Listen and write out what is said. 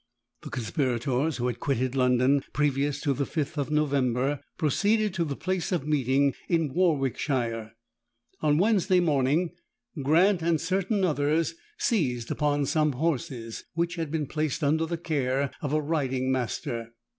The conspirators who had quitted London, previous to the fifth of November, proceeded to the place of meeting in Warwickshire. On Wednesday morning Grant and certain others seized upon some horses, which had been placed under the care of a riding master.